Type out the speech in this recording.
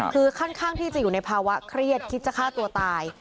คือค่อนข้างที่จะอยู่ในภาวะเครียดคิดจะฆ่าตัวตาย